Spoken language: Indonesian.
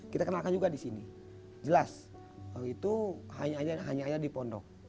kita kenalkan juga di sini jelas itu hanya ada di pondok